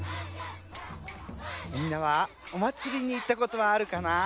みんなはおまつりにいったことはあるかな？